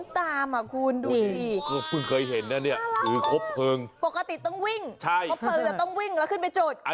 ถือครบเพลิงปกติต้องวิ่งใช่ครบเพลิงต้องวิ่งแล้วขึ้นไปจูดกล้า